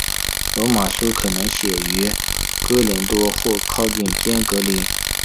罗马书可能写于哥林多或靠近坚革哩。